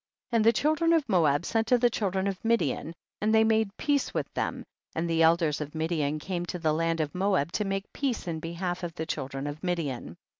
39. And the children of Moab sent to the children of Midian, and they made peace with them, and the elders of Midian came to the land of Moab to make peace in behalf of the children of Midian.